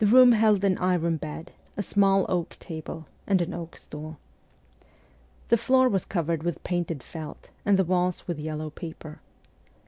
The room held an iron bed, a small oak table, and an oak stool. The floor was covered with painted " felt, and the walls with yellow paper.